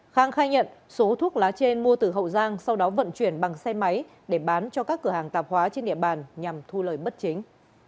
khang khai nhận số thuốc lá trên mua từ hậu giang sau đó vận chuyển bằng xe máy để bán cho các cửa hàng tạp hóa trên địa bàn nhằm thu lời bất chính